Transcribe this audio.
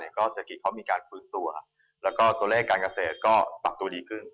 ก็เศรษฐกิจเขามีการฟื้นตัวแล้วก็ตัวเลขการเกษตรก็ปรับตัวดีขึ้น